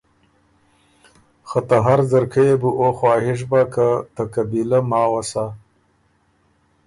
خه ته هر ځرکۀ يې بو اُو خواهش بَۀ که ته قبیلۀ ماوه سَۀ